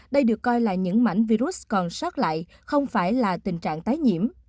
đây được coi là những mảnh virus còn sót lại không phải là tình trạng tái nhiễm